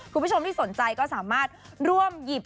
คุณผู้ชมที่สนใจก็สามารถร่วมหยิบ